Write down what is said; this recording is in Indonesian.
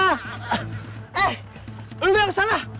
eh lu yang salah